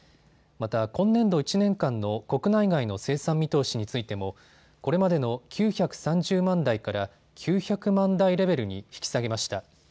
また今年度１年間の国内外の生産見通しについてもこれまでの９３０万台から９００万台レベルに引き下げました。